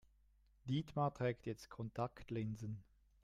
Dietmar trägt jetzt Kontaktlinsen.